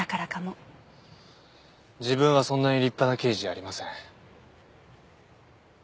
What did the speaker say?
自分はそんなに立派な刑事じゃありません。